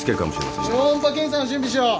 超音波検査の準備しよう。